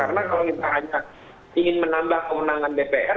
karena kalau kita hanya ingin menambah kemenangan dpr